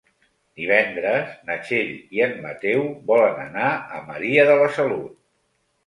Divendres na Txell i en Mateu volen anar a Maria de la Salut.